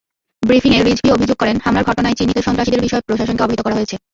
ব্রিফিংয়ে রিজভী অভিযোগ করেন, হামলার ঘটনায় চিহ্নিত সন্ত্রাসীদের বিষয়ে প্রশাসনকে অবহিত করা হয়েছে।